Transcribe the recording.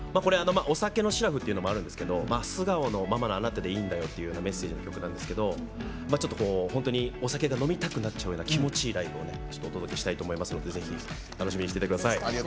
お酒の「シラフ」っていうのもあるんですけど素顔のままのあなたでいいんだよっていうメッセージの曲なんですけどちょっと本当にお酒を飲みたくなっちゃうような気持ちいいライブをお届けしたいと思いますのでぜひ、楽しみにしててください。